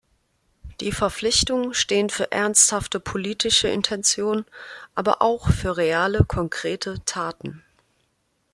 Die Verpflichtungen stehen für ernsthafte politische Intentionen, aber auch für reale, konkrete Taten.